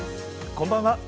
こんばんは。